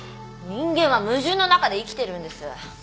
人間は矛盾の中で生きてるんです。